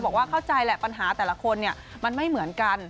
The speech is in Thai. เข้าใจแหละปัญหาแต่ละคนมันไม่เหมือนกัน